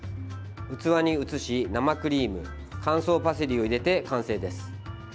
器に移し、生クリーム乾燥パセリを入れて完成です。